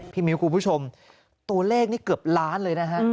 มิ้วคุณผู้ชมตัวเลขนี่เกือบล้านเลยนะฮะ